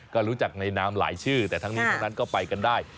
ก็รู้จักในนามหลายชื่อแต่ทั้งนี้ทั้งนั้นก็ไปกันได้